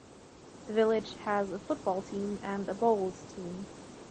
The village has a football team and a bowls team.